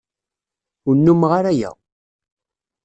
Ur nnummeɣ ara aya.